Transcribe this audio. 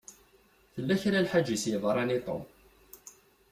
Tella kra lḥeǧa i s-yeḍṛan i Tom.